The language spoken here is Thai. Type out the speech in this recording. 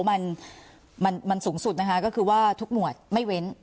มันมันสูงสุดนะคะก็คือว่าทุกหมวดไม่เว้น